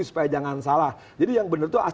supaya jangan salah jadi yang bener tuh